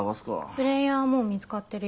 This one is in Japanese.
プレーヤーはもう見つかってるよ。